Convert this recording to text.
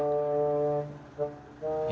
sana dulu ya